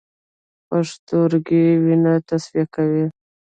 پښتورګي وینه تصفیه کوي